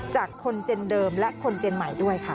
จากคนเจนเดิมและคนเจนใหม่ด้วยค่ะ